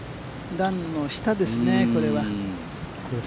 段の下ですね、これは。